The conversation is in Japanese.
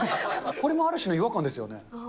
これもある種の違和感ですよね。